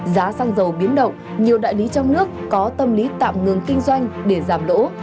giá xăng dầu biến động nhiều đại lý trong nước có tâm lý tạm ngừng kinh doanh để giảm lỗ